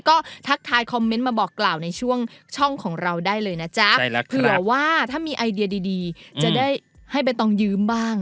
ก็ทักทายคอมเมนต์มาบอกกล่าวในช่วงช่องของเราได้เลยนะจ๊ะเผื่อว่าถ้ามีไอเดียดีจะได้ให้ใบตองยืมบ้าง